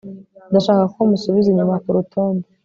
ndashaka ko musubiza inyuma kurutonde